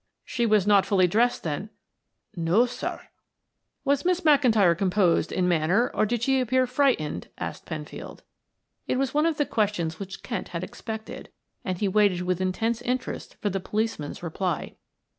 "She was not fully dressed then?" "No, sir." "Was Miss McIntyre composed in manner or did she appear frightened?" asked Penfield. It was one of the questions which Kent had expected, and he waited with intense interest for the policeman's reply.